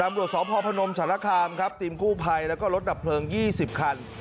ตำรวจสพพนมสารคามครับทีมกู้ภัยแล้วก็รถดับเพลิง๒๐คัน